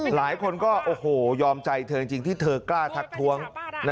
หลายคนก็โอ้โหยอมใจเธอจริงที่เธอกล้าทักท้วง